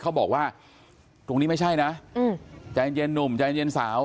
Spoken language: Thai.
เขาบอกว่าตรงนี้ไม่ใช่นะใจเย็นหนุ่มใจเย็นสาว